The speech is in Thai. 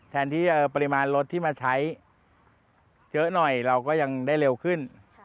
แทนที่ปริมาณรถที่มาใช้เยอะหน่อยเราก็ยังได้เร็วขึ้น